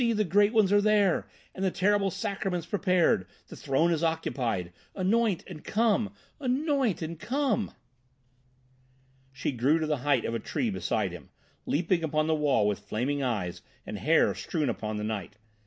the Great Ones are there, and the terrible Sacraments prepared. The Throne is occupied. Anoint and come! Anoint and come!" She grew to the height of a tree beside him, leaping upon the wall with flaming eyes and hair strewn upon the night.